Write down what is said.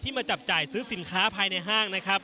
ที่มาจับจ่ายซื้อสินค้าภายในห้าง